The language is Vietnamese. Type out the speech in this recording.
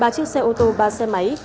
ba chiếc xe ô tô ba xe máy